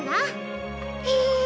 へえ！